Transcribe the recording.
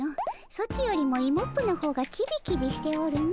ソチよりもイモップの方がキビキビしておるの。